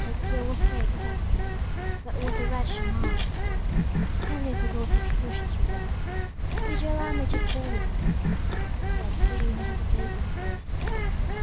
Her pure spirit is happy; but what a wretch am I!" Henry forgot his cautious reserve. "Would you allow me to call you friend?" said he in a hesitating voice.